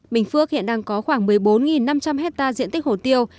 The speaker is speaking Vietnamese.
bình phước hiện đang có khoảng một mươi bốn năm trăm linh hectare diện tích hồ tiêu